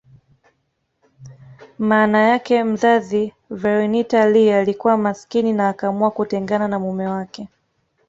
Mama yake mzazi Vernita Lee alikuwa masikini na akaamua kutengana na mume wake